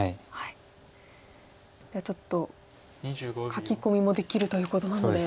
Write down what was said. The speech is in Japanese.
じゃあちょっと書き込みもできるということなので。